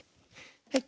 はい。